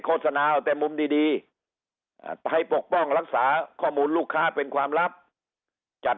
โศนาเอาแต่มุมดีให้ปกป้องรักษาข้อมูลลูกค้าเป็นความลับจัด